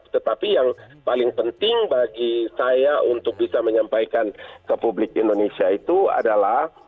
tetapi yang paling penting bagi saya untuk bisa menyampaikan ke publik indonesia itu adalah